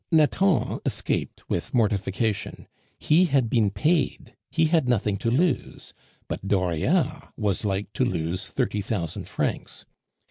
Nathan escaped with the mortification; he had been paid; he had nothing to lose; but Dauriat was like to lose thirty thousand francs.